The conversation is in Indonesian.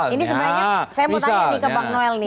ini sebenarnya saya mau tanya nih ke bang noel nih